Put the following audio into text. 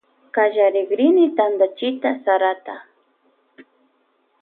Kallarikrini tantachita sarata.